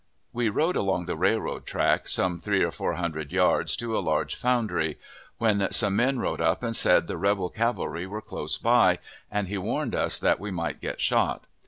We rode along the railroad track, some three or four hundred yards, to a large foundery, when some man rode up and said the rebel cavalry were close by, and he warned us that we might get shot.